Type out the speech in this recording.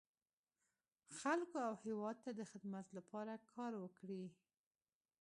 خلکو او هېواد ته د خدمت لپاره کار وکړي.